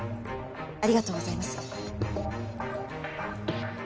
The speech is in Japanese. ありがとうございます。